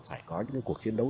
phải có những cuộc chiến đấu